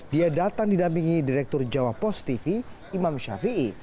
dia datang didampingi direktur jawa post tv imam syafie